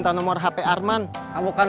aku mah pernah pasang